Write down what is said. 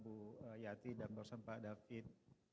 terima kasih pak yudi pak yati dan bersan pak david